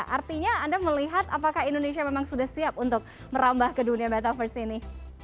artinya anda melihat apakah indonesia memang sudah siap untuk merambah ke dunia metaverse ini